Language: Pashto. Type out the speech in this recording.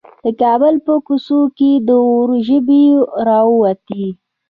د کابل په کوڅو کې د اور ژبې راووتې.